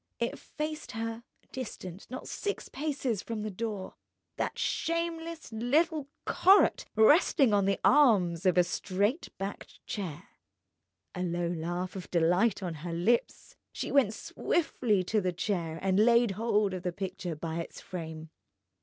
It faced her, distant not six paces from the door—that shameless little "Corot"!—resting on the arms of a straight backed chair. A low laugh of delight on her lips, she went swiftly to the chair and laid hold of the picture by its frame.